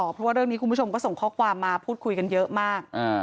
เพราะว่าเรื่องนี้คุณผู้ชมก็ส่งข้อความมาพูดคุยกันเยอะมาก